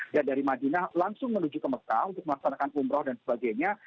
dan dari madinah langsung menuju ke mekah untuk melaksanakan umroh dan sebagainya